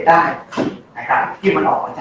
ประเด็นที่สองที่ผมอยากบอก